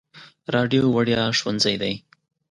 راډیو وړیا ښوونځی دی.